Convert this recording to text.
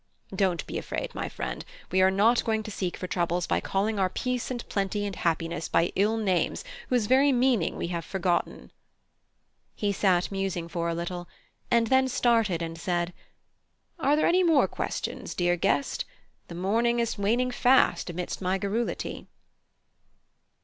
Don't be afraid, my friend; we are not going to seek for troubles by calling our peace and plenty and happiness by ill names whose very meaning we have forgotten!" He sat musing for a little, and then started and said: "Are there any more questions, dear guest? The morning is waning fast amidst my garrulity?"